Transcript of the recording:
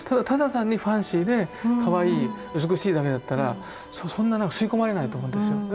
ただ単にファンシーでかわいい美しいだけだったらそんな吸い込まれないと思うんですよ。